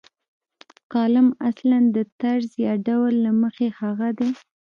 کالم اصلاً د طرز یا ډول له مخې هغه دی.